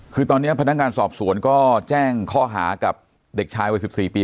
คือตอนนี้พนักงานสอบสวนก็แจ้งข้อหากับเด็กชายวัย๑๔ปี